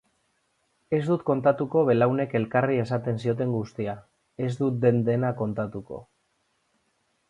Ez dut kontatuko belaunek elkarri esan zioten guztia, ez dut den-dena kontatuko.